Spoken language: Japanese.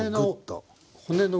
骨の。